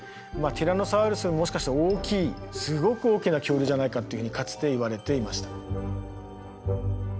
ティラノサウルスよりもしかして大きいすごく大きな恐竜じゃないかっていうふうにかつていわれていました。